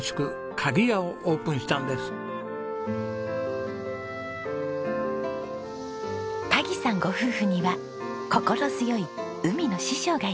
鍵さんご夫妻には心強い海の師匠がいます。